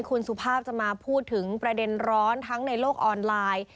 คุณสุภาพจะมาพูดถึงประเด็นร้อนทั้งในโลกออนไลน์